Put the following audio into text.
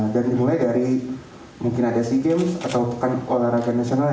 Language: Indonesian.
dan berharap bisa ikut meramaikan esports selanjutnya di kancah internasional